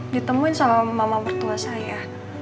ditemuin sama mama mertua saya